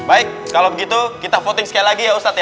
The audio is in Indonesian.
baik kalau begitu kita voting sekali lagi ya ustadz ya